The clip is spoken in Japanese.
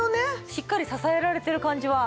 しっかり支えられている感じは。